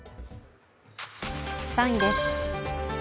３位です。